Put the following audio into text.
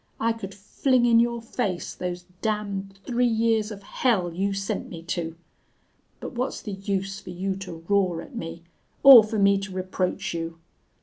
I could fling in your face those damned three years of hell you sent me to! But what's the use for you to roar at me or for me to reproach you?